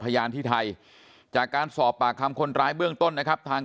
พยานที่ไทยจากการสอบปากคำคนร้ายเบื้องต้นนะครับทาง